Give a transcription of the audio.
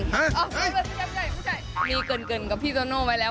พี่โตโน่ไม่ใช่มีเกินกับพี่โตโน่ไว้แล้ว